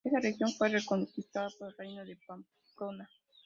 Esta región fue reconquistada por el Reino de Pamplona.